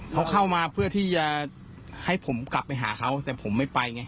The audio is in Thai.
เขาเข้ามาเพื่อที่จะให้ผมกลับไปหาเขาแต่ผมไม่ไปไง